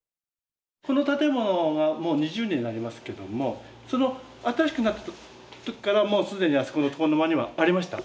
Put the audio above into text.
この建物がもう２０年になりますけどもその新しくなった時からもう既にあそこの床の間にはありました。